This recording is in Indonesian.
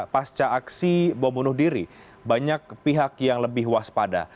pasca aksi bom bunuh diri banyak pihak yang lebih waspada